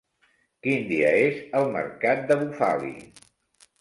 Quin dia és el mercat de Bufali?